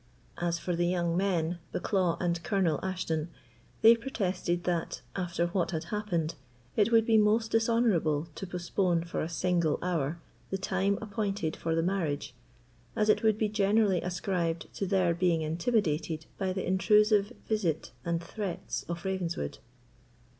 As for the young men, Bucklaw and Colonel Ashton, they protested that, after what had happened, it would be most dishonourable to postpone for a single hour the time appointed for the marriage, as it would be generally ascribed to their being intimidated by the intrusive visit and threats of Ravenswood.